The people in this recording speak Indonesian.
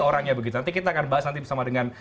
orangnya begitu nanti kita akan bahas nanti bersama dengan